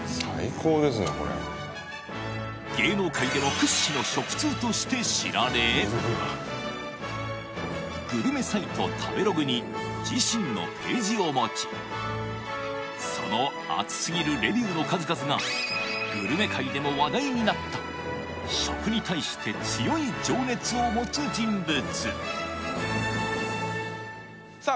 本日のゲストとして知られグルメサイト食べログに自身のページを持ちその熱すぎるレビューの数々がグルメ界でも話題になった食に対して強い情熱を持つ人物さあ